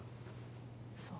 そう。